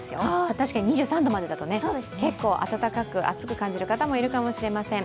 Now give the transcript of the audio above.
確かに２３度まででも結構暖かく、暑く感じる方もいるかもしれません。